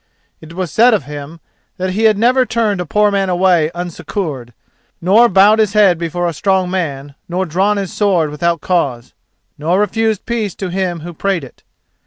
It was said of him that he had never turned a poor man away unsuccoured, nor bowed his head before a strong man, nor drawn his sword without cause, nor refused peace to him who prayed it.